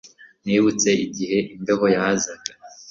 Nibutse igihe imbeho yazaga